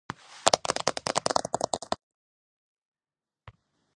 დღეს ჰელსინგბორგი შვედეთის მერვე ქალაქია მოსახლეობის ნელი მატებით.